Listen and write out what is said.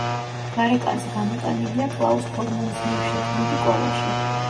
გარეკანზე გამოტანილია კლაუს ფორმანის მიერ შექმნილი კოლაჟი.